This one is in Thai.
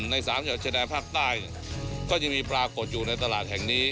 ใน๓จันแดนภาคใต้ก็จะมีปลากลวดอยู่ในตลาดแห่งนี้